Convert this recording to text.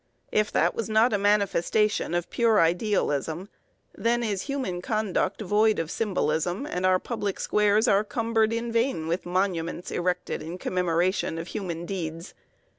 If that was not a manifestation of pure idealism, then is human conduct void of symbolism, and our public squares are cumbered in vain with monuments erected in commemoration of human deeds.